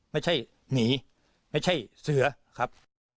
ไม่ใช่หนีไม่ใช่เสือครับ